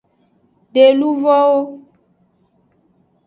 De luvowo.